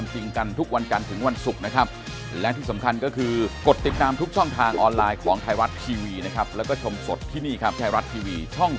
ผมเชื่อว่าคุยกันได้